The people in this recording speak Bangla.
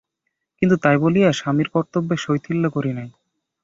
কিন্তু তাই বলিয়া স্বামীর কর্তব্যে শৈথিল্য করি নাই।